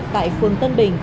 tại phường tân bình